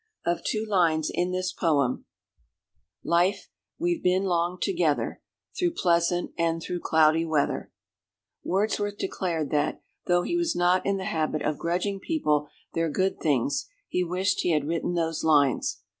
Of two lines in this poem— Life, we've been long together, Through pleasant and through cloudy weather— Wordsworth declared that, though he was not in the habit of grudging people their good things, he wished he had written those lines.